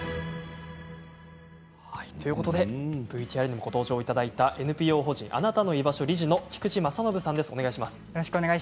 ＶＴＲにもご登場いただいたＮＰＯ法人あなたのいばしょ理事の菊地雅信さんです。